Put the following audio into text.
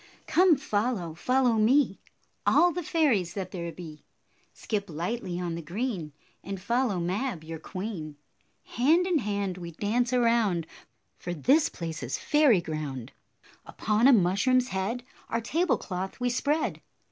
Come follow, follow me, All the fairies that there be. Skip lightly on the green, And follow Mab, your queen. Hand in hand we dance around, For this place is fairy ground. Upon a mushroom's head Our table cloth we spread.